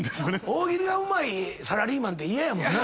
大喜利がうまいサラリーマンって嫌やもんな。